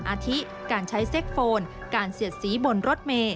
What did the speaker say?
อาทิการใช้เซ็กโฟนการเสียดสีบนรถเมย์